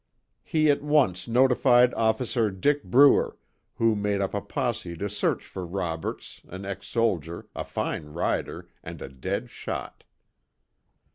He at once notified Officer Dick Bruer, who made up a posse to search for Roberts, an ex soldier, a fine rider, and a dead shot.